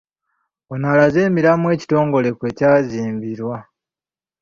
Ono alaze emiramwa ekitongole kwe kya zimbirwa.